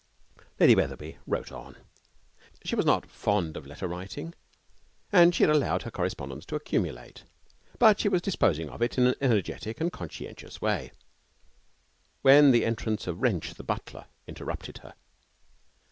Lady Wetherby wrote on. She was not fond of letter writing and she had allowed her correspondence to accumulate; but she was disposing of it in an energetic and conscientious way, when the entrance of Wrench, the butler, interrupted her.